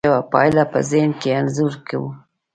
یوه پایله په ذهن کې انځور کوو.